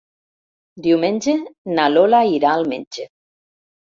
Diumenge na Lola irà al metge.